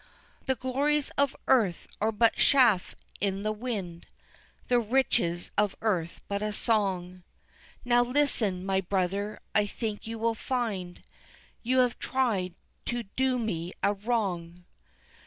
The glories of earth are but chaff in the wind, The riches of earth but a song, Now listen, my brother, I think you will find You have tried to do me a wrong.